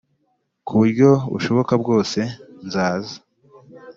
ku buryo bushoboka bwose nzaza.